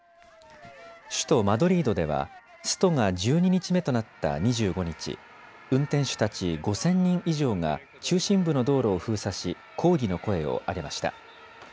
首都マドリードではストが１２日目となった２５日、運転手たち５０００人以上が中心部の道路を封鎖し、抗議の声を上げました。